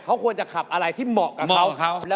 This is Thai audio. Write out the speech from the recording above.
เขาควรจะขับอะไรที่เหมาะกับเขา